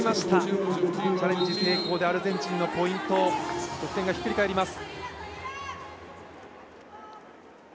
成功でアルゼンチンのポイント、得点がひっくり返ります。